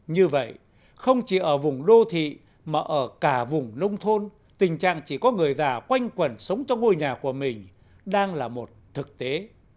như vậy không chỉ ở vùng đô thị mà ở cả vùng nông thôn tình trạng chỉ có người già quanh quẩn sống trong ngôi nhà của mình đang là một thực tế